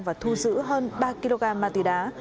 và thu giữ hơn ba kg ma túy đá